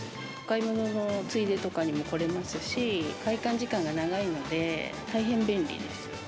買い物のついでとかにも来れますし、開館時間が長いので、大変便利です。